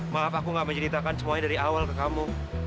maaf aku gak menceritakan semuanya dari awal ke kamu